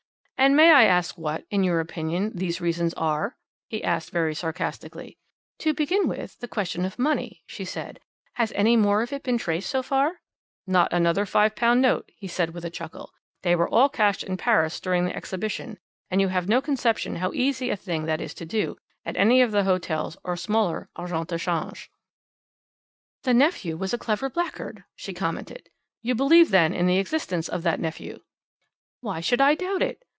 "And may I ask what, in your opinion, these reasons are?" he asked very sarcastically. "To begin with, the question of money," she said "has any more of it been traced so far?" "Not another £5 note," he said with a chuckle; "they were all cashed in Paris during the Exhibition, and you have no conception how easy a thing that is to do, at any of the hotels or smaller agents de change." "That nephew was a clever blackguard," she commented. "You believe, then, in the existence of that nephew?" "Why should I doubt it?